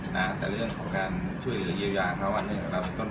น้าแต่เรื่องของการช่วยหรือเยียวยาเพราะว่าเนี่ยเราเป็นต้นเหตุ